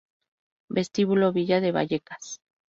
Vestíbulo Villa de Vallecas